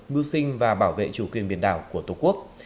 mưu sinh và bảo vệ chủ quyền biển đảo của tổ quốc